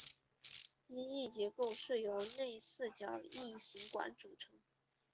机翼结构是由内四角异型管组成。